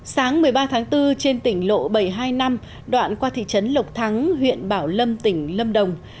sáng một mươi ba tháng bốn trên tỉnh lộ bảy trăm hai mươi năm đoạn qua thị trấn lộc thắng huyện bảo lâm tỉnh lâm đồng